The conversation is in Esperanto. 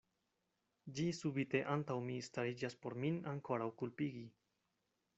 Ĝi subite antaŭ mi stariĝas por min ankoraŭ kulpigi.